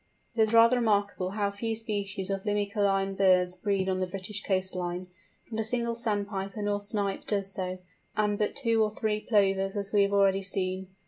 It is rather remarkable how few species of Limicoline birds breed on the British coast line. Not a single Sandpiper nor Snipe does so, and but two or three Plovers, as we have already seen.